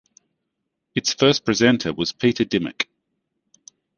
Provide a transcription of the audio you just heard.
Its first presenter was Peter Dimmock.